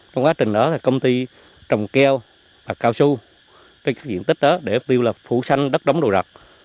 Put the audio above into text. trong quá trình đó là công ty trồng keo và cao su trên các diện tích đó để tiêu lập phủ xanh đất đóng đồ rập